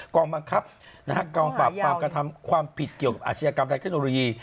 กองบังคับกองปราบปรามกระทำความผิดเกี่ยวกับอาชญากรรมทางเทคโนโลยี